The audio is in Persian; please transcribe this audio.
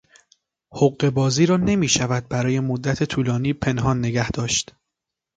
حقهبازی را نمیشود برای مدت طولانی پنهان نگه داشت.